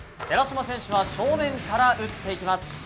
寺嶋選手は正面から打っていきます。